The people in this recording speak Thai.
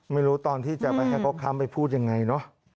ไม่รู้ตอนที่จะไปให้เขาค้ำไปพูดยังไงเนอะ